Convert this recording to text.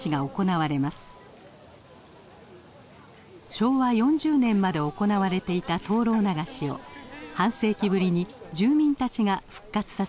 昭和４０年まで行われていた灯籠流しを半世紀ぶりに住民たちが復活させたのです。